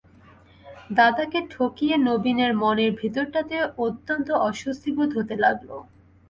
দাদাকে ঠকিয়ে নবীনের মনের ভিতরটাতে অত্যন্ত অস্বস্তিবোধ হতে লাগল।